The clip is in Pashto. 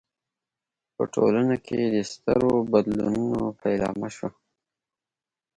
په ټولنه کې د سترو بدلونونو پیلامه شوه.